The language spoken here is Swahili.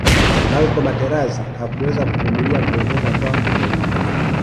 marco materazi hakuweza kuvumilia kuondoka kwa mourinho